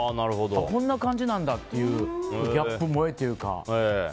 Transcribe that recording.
こんな感じなんだっていうギャップ萌えというか。